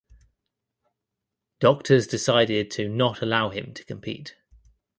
Doctors decided to not allow him to compete.